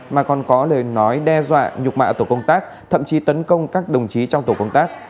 mà còn có lời nói đe dọa nhục mạ tổ công tác thậm chí tấn công các đồng chí trong tổ công tác